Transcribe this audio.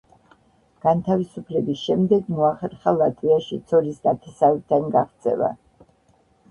განთავისუფლების შემდეგ მოახერხა ლატვიაში, ცოლის ნათესავებთან გაღწევა.